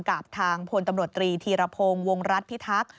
กับทางพลตำรวจตรีธีรพงศ์วงรัฐพิทักษ์